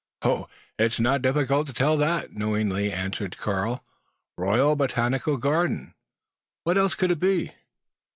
"It is not difficult to tell that," knowingly answered Karl. "Royal Botanical Garden! What else could it be?"